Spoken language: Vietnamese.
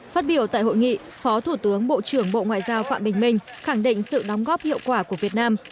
phát biểu tại hội nghị phó thủ tướng bộ trưởng bộ ngoại giao phạm bình minh khẳng định sự đóng góp hiệu quả của việt nam